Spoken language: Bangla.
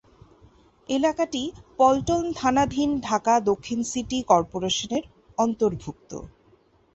এলাকাটি পল্টন থানাধীন ঢাকা দক্ষিণ সিটি কর্পোরেশনের অন্তর্ভুক্ত।